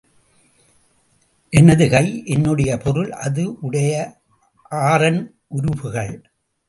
எனது கை, என்னுடைய பொருள் அது, உடைய ஆறன் உருபுகள்.